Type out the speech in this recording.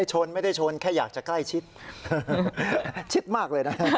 ชนไม่ได้ชนแค่อยากจะใกล้ชิดชิดมากเลยนะ